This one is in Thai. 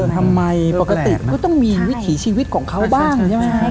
ทำไมปกติก็ต้องมีวิถีชีวิตของเขาบ้างใช่ไหมครับ